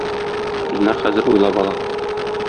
Илнар хәзер уйлап ала